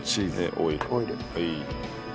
オイル。